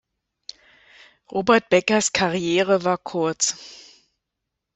Robert Beckers Karriere war kurz.